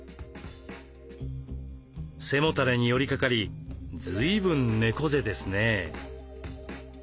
背もたれに寄りかかりずいぶん猫背ですね。